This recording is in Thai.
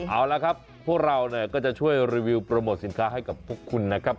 เอาละครับพวกเราก็จะช่วยรีวิวโปรโมทสินค้าให้กับพวกคุณนะครับ